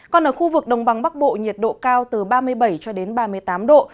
còn ở khu vực đồng bằng bắc bộ nhiệt độ cao từ ba mươi bảy ba mươi tám độ